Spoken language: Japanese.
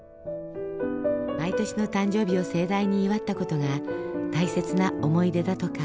毎年の誕生日を盛大に祝った事が大切な思い出だとか。